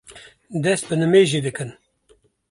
dest bi nimêjê dikin.